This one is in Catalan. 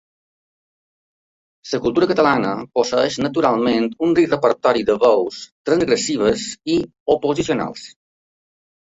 La cultura catalana posseeix naturalment un ric repertori de veus transgressives i oposicionals.